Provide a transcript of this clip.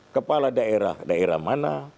kepala daerah daerah mana